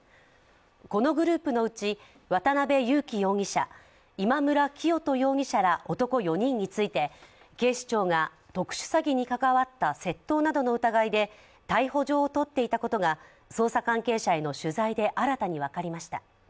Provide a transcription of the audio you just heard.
このグループのうち、渡辺優樹容疑者、今村磨人容疑者ら男４人について警視庁が特殊詐欺に関わった窃盗などの疑いで逮捕状を取っていたことが捜査関係者への取材で新たに分かりました。